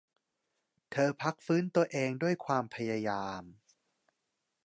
เธอพักฟื้นตัวเองด้วยความพยายาม